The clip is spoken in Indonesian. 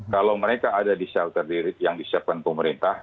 kalau mereka ada di shelter diri yang disiapkan pemerintah